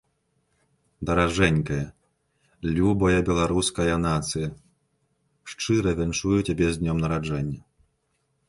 Даражэнькая, любая Беларуская Нацыя, шчыра віншую цябе з Днём Нараджэння!